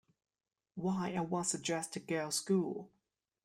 Why, I once addressed a girls' school.